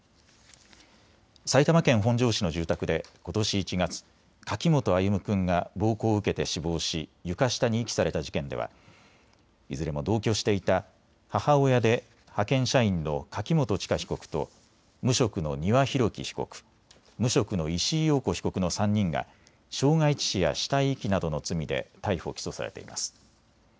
埼玉県本庄市の住宅でことし１月、柿本歩夢君が暴行を受けて死亡し床下に遺棄された事件ではいずれも同居していた母親で派遣社員の柿本知香被告と無職の丹羽洋樹被告、無職の石井陽子被告の３人が傷害致死や死体遺棄などの罪で逮捕・起訴されています。